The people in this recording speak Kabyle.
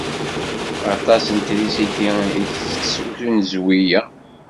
Aṭas n trisiti i itett usnezwi-ya.